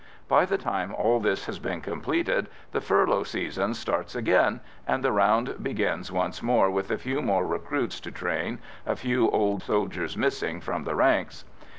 By the time all this has been completed, the furlough season starts again, and the round begins once more with a few more recruits to train, a few old soldiers missing from the ranks.